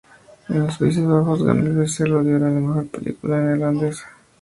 En los Países Bajos ganó el Becerro de Oro a la mejor película neerlandesa.